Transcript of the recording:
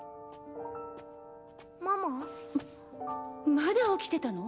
まだ起きてたの？